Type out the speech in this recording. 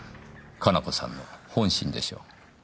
可奈子さんの本心でしょう。